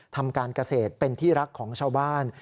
ทำการเกษตรเป็นที่รักของชาวบ้าน